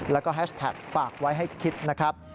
แล้วก็แฮชแท็กฝากไว้ให้คิดนะครับ